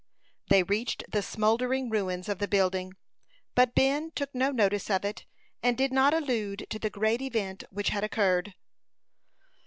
They reached the smouldering ruins of the building, but Ben took no notice of it, and did not allude to the great event which had occurred.